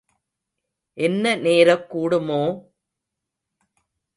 என்ன நேரக் கூடுமோ?